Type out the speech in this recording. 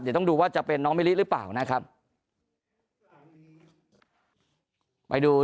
เดี๋ยวต้องดูว่าจะเป็นน้องมิลิหรือเปล่านะครับ